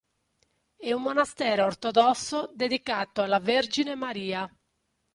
È un monastero ortodosso dedicato alla Vergine Maria.